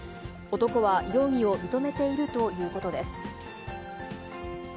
男は容疑を認めているということです。